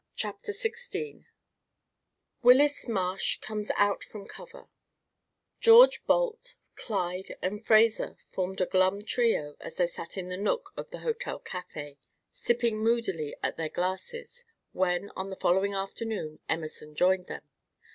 CHAPTER XVI WILLIS MARSH COMES OUT FROM COVER George Balt, Clyde, and Fraser formed a glum trio as they sat in a nook of the hotel cafe, sipping moodily at their glasses, when, on the following afternoon, Emerson joined them.